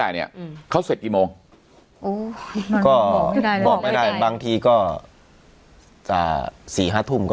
เนี่ยเขาเสร็จกี่โมงโอ้ก็บอกไม่ได้บางทีก็อ่าสี่ห้าทุ่มก็